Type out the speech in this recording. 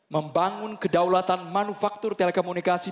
membangun kedaulatan manufaktur telekomunikasi